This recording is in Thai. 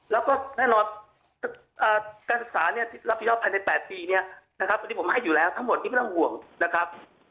แล้วก็แน่นอนการศึกษารับผิดชอบภายใน๘ปีผมให้อยู่แล้วทั้งหมดไม่ต้องห่วงนะครับ